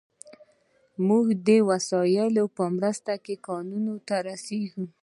موږ د دې وسایلو په مرسته کانونو ته رسیږو.